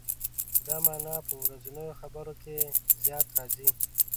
دا معنا په ورځنیو خبرو کې زیات راځي.